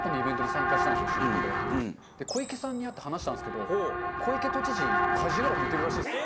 小池さんに会って話したんですけど小池都知事『家事ヤロウ！！！』見てるらしいですよ。